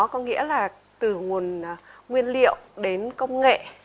có nghĩa là từ nguồn nguyên liệu đến công nghệ